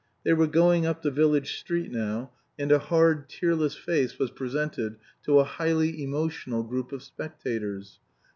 They were going up the village street now, and a hard tearless face was presented to a highly emotional group of spectators.